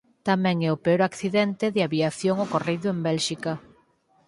Tamén é o peor accidente de aviación ocorrido en Bélxica.